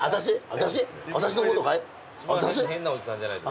私のことかい？